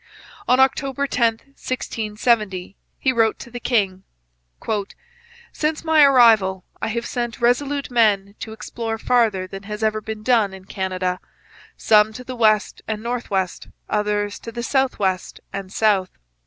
On October 10, 1670, he wrote to the king: 'Since my arrival, I have sent resolute men to explore farther than has ever been done in Canada, some to the west and north west, others to the south west and south.